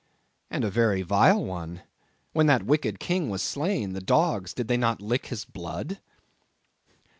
"And a very vile one. When that wicked king was slain, the dogs, did they not lick his blood?"